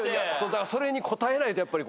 それに応えないとやっぱり。